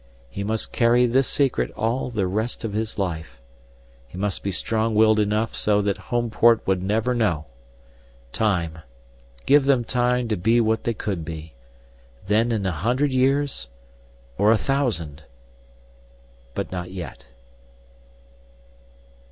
He must carry this secret all the rest of his life he must be strong willed enough so that Homeport would never know. Time give them time to be what they could be. Then in a hundred years or a thousand But not yet!